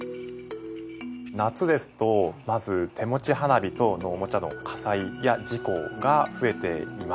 夏ですとまず手持ち花火等のおもちゃの火災や事故が増えています。